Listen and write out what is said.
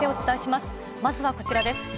まずはこちらです。